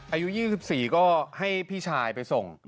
อายุ๒๔ก็ให้พี่ชายไปส่ง